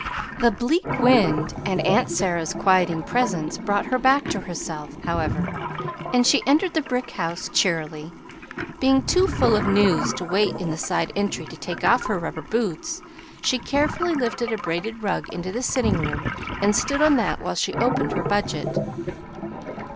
The bleak wind and aunt Sarah's quieting presence brought her back to herself, however, and she entered the brick house cheerily. Being too full of news to wait in the side entry to take off her rubber boots, she carefully lifted a braided rug into the sitting room and stood on that while she opened her budget.